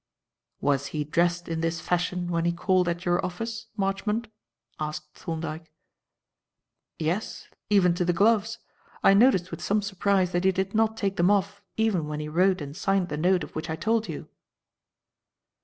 "Was he dressed in this fashion when he called at your office, Marchmont?" asked Thorndyke. "Yes. Even to the gloves. I noticed, with some surprise, that he did not take them off even when he wrote and signed the note of which I told you."